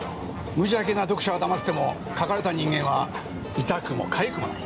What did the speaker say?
無邪気な読者はだませても書かれた人間は痛くも痒くもない。